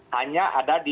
hanya ada di